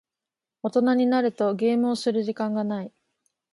大人になるとゲームをする時間がない。